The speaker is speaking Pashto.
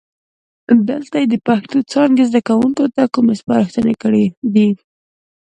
دلته یې چې د پښتو څانګې زده کوونکو ته کومې سپارښتنې کړي دي،